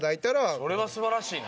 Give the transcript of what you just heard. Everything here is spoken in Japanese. それは素晴らしいな。